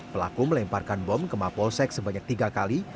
pelaku melemparkan bom ke mapolsek sebanyak tiga kali